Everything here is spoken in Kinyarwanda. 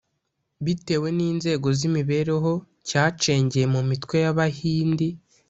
bitewe n’inzego z’imibereho cyacengeye mu mitwe y’abahindi.